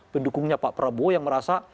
pendukungnya pak prabowo yang merasa